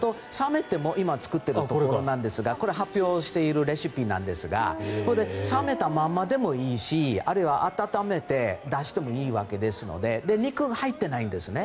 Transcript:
今、作っているところですがこれ、発表しているレシピなんですが冷めたままでもいいしあるいは温めて出してもいいわけですので肉が入ってないんですね。